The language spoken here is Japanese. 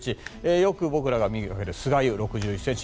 よく、僕らが耳にする酸ヶ湯、６１ｃｍ。